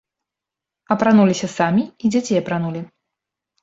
Апрануліся самі і дзяцей апранулі.